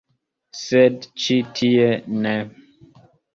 Sed ĉi tie ne.